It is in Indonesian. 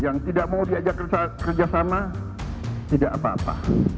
yang tidak mau diajak kerjasama tidak apa apa